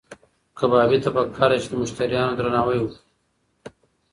کبابي ته پکار ده چې د مشتریانو درناوی وکړي.